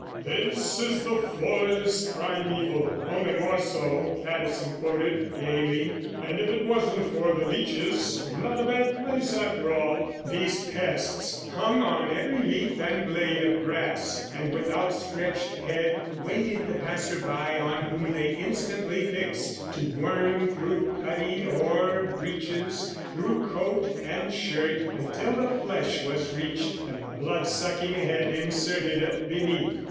"'This is the forest primeval, only more so,'" Patterson quoted gaily, "and, if it wasn't for the leeches, not a bad place after all." These pests hung on every leaf and blade of grass and, with outstretched head, waited the passer by on whom they instantly fixed, to worm through puttie or breeches, through coat and shirt, until the flesh was reached and the blood sucking head inserted beneath.